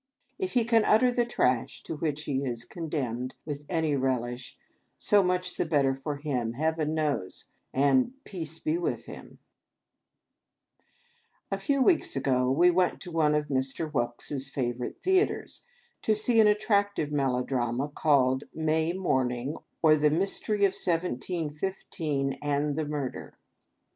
If he can utter the trash to which he is condemned, with any relish, so much the better for him, Heaven knows; and peace be with him! A few weeks ago, we went to one of Mr. Whelks' fa vorite Theatres, to see an attractive Melo Drama called " Mat Moening, ob the Mtstekt of 1715, and the Mue DEK